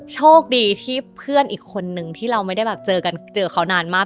โชคดีที่เพื่อนอีกคนนึงที่เราไม่ได้แบบเจอกันเจอเขานานมาก